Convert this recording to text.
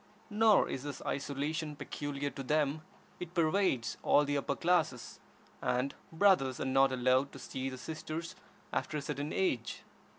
Nor is this isolation peculiar to them; it pervades all the upper classes, and brothers are not allowed to see their sisters after a certain age.